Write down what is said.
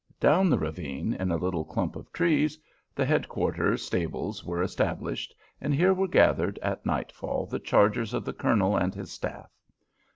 Down the ravine, in a little clump of trees, the head quarters stables were established, and here were gathered at nightfall the chargers of the colonel and his staff.